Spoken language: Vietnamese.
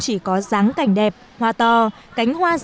chỉ có dáng cảnh đẹp hoa to cánh hoa hoa trắng